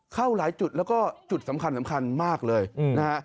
เข้าหลายจุดแล้วก็จุดสำคัญสำคัญมากเลยนะฮะ